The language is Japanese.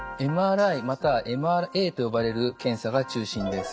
ＭＲＩまたはＭＲＡと呼ばれる検査が中心です。